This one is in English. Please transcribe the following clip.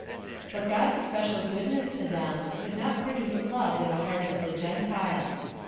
But God's special good ness to them, could not produce love in the hearts of the Gentiles.